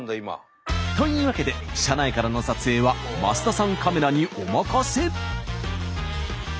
というわけで車内からの撮影は増田さんカメラにお任せ。